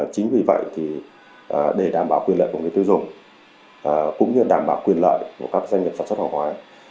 chính vì vậy để đảm bảo quyền lợi của người tiêu dùng cũng như đảm bảo quyền lợi của các doanh nghiệp sản xuất hàng hóa